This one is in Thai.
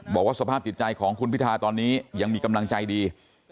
บอกว่าสภาพจิตใจของคุณพิธาตอนนี้ยังมีกำลังใจดี